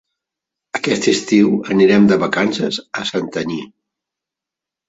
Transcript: Aquest estiu anirem de vacances a Santanyí.